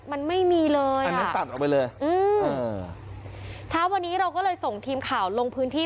มันไม่มีเลยอ่ะอืมช้าวันนี้เราก็เลยส่งทีมข่าวลงพื้นที่